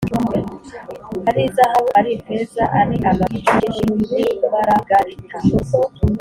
ari izahabu ari ifeza, ari amabuye y’igiciro cyinshi n’imaragarita,